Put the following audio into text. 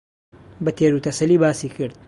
بە تێروتەسەلی باسی کرد